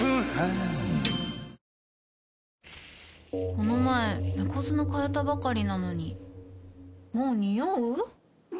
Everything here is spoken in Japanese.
この前猫砂替えたばかりなのにもうニオう？